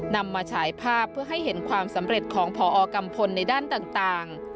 นำมาฉายภาพเพื่อให้เห็นความสำเร็จของพอกัมพลในด้านต่าง